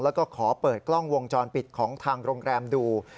แล้วก็ขอเปิดกล้องวงจรปิดของทางโรงแรมดู